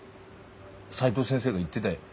斉藤先生が言ってだよ。